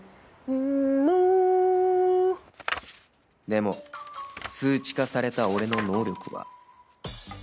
でも数値化された俺の能力は